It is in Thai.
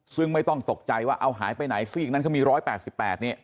ซึ่งไม่ต้องตกใจว่าเอาหายไปไหนซีกนั้นเขามี๑๘๘เนี่ย